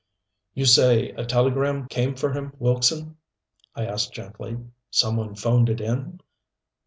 "You say a telegram came for him, Wilkson?" I asked gently. "Some one phoned it in?"